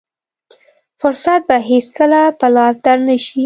فرصت به هېڅکله په لاس در نه شي.